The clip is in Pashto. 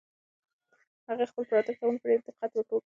هغې خپل پراته کتابونه په ډېر دقت ور ټول کړل.